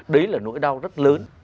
đấy là nỗi đau rất lớn